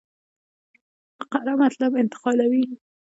فقره مطلب انتقالوي.